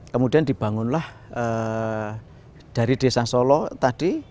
kemudian dibangunlah dari desa solo tadi